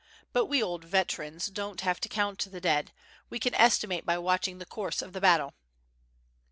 But we old veterans don't have to count the dead, we can estimate by watching the course of the battle."